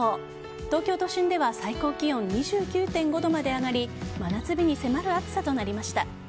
東京都心では最高気温２９．５度まで上がり真夏日に迫る暑さとなりました。